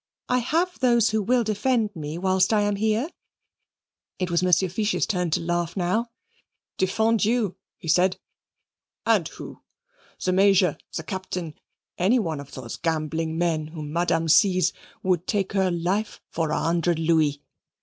I have those who will defend me whilst I am here." It was Monsieur Fiche's turn to laugh now. "Defend you," he said, "and who? The Major, the Captain, any one of those gambling men whom Madame sees would take her life for a hundred louis.